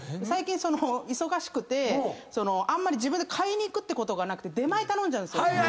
最近忙しくてあんまり自分で買いに行くってことがなくて出前頼んじゃうんですよ。